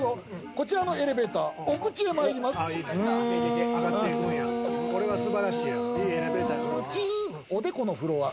こちらのエレベーター、お口へ参ります。